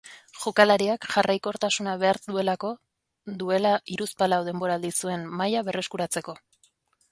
Jokalariak jarraikortasuna behar duelako duela hiruzpalau denboraldi zuen maila berreskuratzeko.